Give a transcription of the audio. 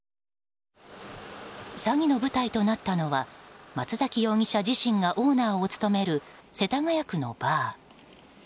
詐欺の舞台となったのは松崎容疑者自身がオーナーを務める世田谷区のバー。